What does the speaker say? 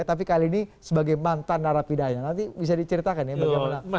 tapi kali ini sebagai mantan narapidana nanti bisa diceritakan ya bagaimana